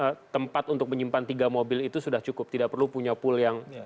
maka asal ada tiga tempat untuk menyimpan tiga mobil itu sudah cukup tidak perlu punya pool yang